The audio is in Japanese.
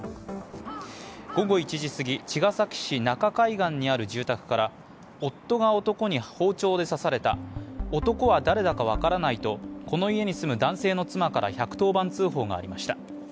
午後１時すぎ、茅ヶ崎市中海岸にある住宅から夫が男に包丁で刺された男は誰だか分からないと、この家に住む男性の妻から１１０番通報がありました。